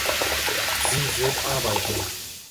Sie wird arbeiten.